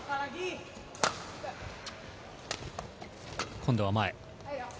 今度は前。